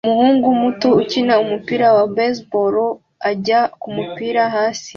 Umuhungu muto ukina umupira wa baseball ajya kumupira hasi